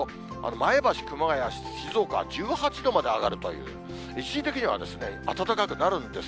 前橋、熊谷、静岡は１８度まで上がるという、一時的には暖かくなるんです。